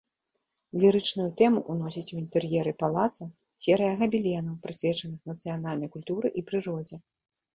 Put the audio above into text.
Лірычную тэму ўносіць у інтэр'еры палаца серыя габеленаў, прысвечаных нацыянальнай культуры і прыродзе.